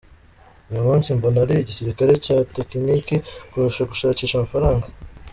Uyu munsi mbona ari igisirikare cya tekiniki kurusha gushakisha amafaranga.”